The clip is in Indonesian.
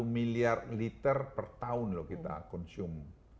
satu miliar liter per tahun loh kita konsum